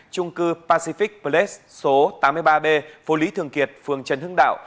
trung cư pacific plex số tám mươi ba b phố lý thường kiệt phường trần hưng đạo